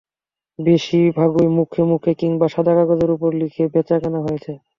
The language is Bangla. বেশির ভাগই মুখে মুখে কিংবা সাদা কাগজের ওপর লিখে বেচাকেনা হয়েছে।